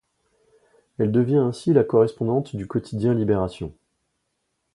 Elle devient ainsi la correspondante du quotidien Libération.